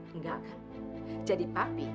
enggak kan jadi papi